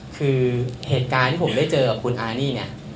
คือเหตุการณ์ที่ผมได้เจอกับคุณอานี่เนี่ย